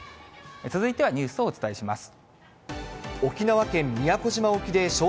続いてはニュースをお伝えします。